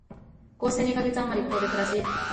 こうして二カ月あまり、ここで暮らし、